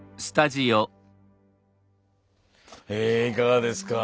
えいかがですか？